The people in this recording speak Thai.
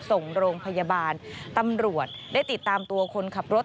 ส่งโรงพยาบาลตำรวจได้ติดตามตัวคนขับรถ